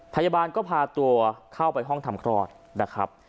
พยาบาลก็พาตัวเข้าไปห้องทำคลอดนะครับ